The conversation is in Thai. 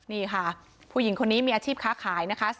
นี่ค่ะผู้หญิงคนนี้มีอาชีพค้าขายนะคะ